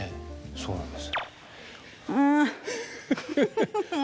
そうなんです。